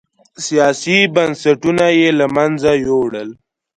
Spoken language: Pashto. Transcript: سیاسي بنسټونه یې له منځه یووړل.